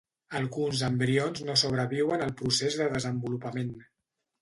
Alguns embrions no sobreviuen al procés del desenvolupament.